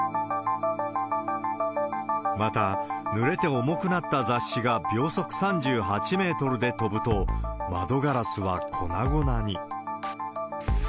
また、ぬれて重くなった雑誌が秒速３８メートルで飛ぶと、窓ガラスは粉々に。